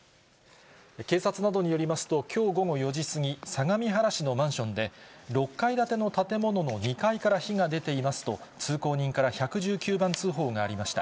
警察などによりますと、きょう午後４時過ぎ、相模原市のマンションで、６階建ての建物の２階から火が出ていますと、通行人から１１９番通報がありました。